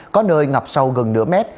có nơi ngập sâu gần nửa mét